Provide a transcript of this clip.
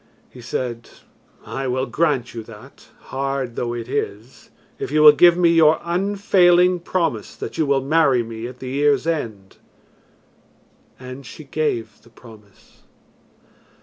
He said "I will grant you that, hard though it is, if you will give me your unfailing promise that you will marry me at the year's end." And she gave the promise.